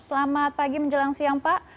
selamat pagi menjelang siang pak